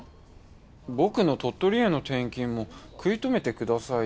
僕の鳥取への転勤も食い止めてください。